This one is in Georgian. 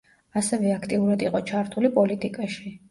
ასევე აქტიურად იყო ჩართული პოლიტიკაში.